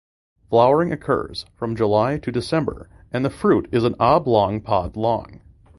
Flowering occurs from July to December and the fruit is an oblong pod long.